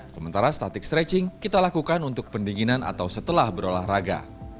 sementara static stretching kita lakukan untuk pendinginan atau setelah berolahraga